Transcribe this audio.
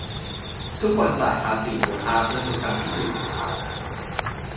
- ทุกคนจ่ายภาษีมูลค่าเพิ่มทุกครั้งที่ซื้อสินค้านะ